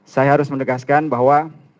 saya harus menegaskan bahwa